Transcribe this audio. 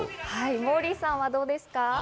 モーリーさんはどうですか？